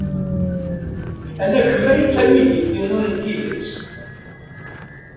Ala kemm ay d tamidit-inu n tidet.